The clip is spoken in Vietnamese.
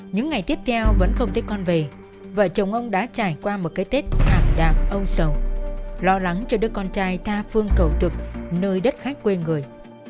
những ngày tiếp theo vẫn không thấy con về và chồng ông đã trải qua một cái tết ảm đạm âu sầu lo lắng cho đứa con trai tha phương cầu thực nơi đất khách quê người